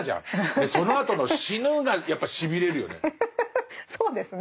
そのあとの「死ぬ」がやっぱしびれるよね。